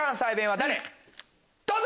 どうぞ！